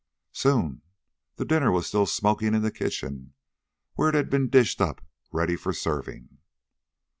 "Soon. The dinner was still smoking in the kitchen, where it had been dished up ready for serving."